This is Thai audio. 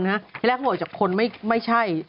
ขั้นแรกว่าเป็นการกากไรกัน